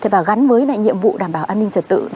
và gắn với nhiệm vụ đảm bảo an ninh trật tự